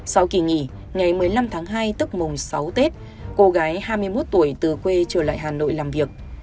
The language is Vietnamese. sau kỳ nghỉ ngày một mươi năm tháng hai tức mùng sáu tết cô gái hai mươi một tuổi từ quê trở lại hà nội làm việc